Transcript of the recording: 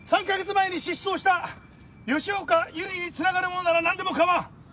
３カ月前に失踪した吉岡百合に繋がるものならなんでも構わん！